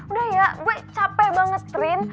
udah ya gue capek banget strain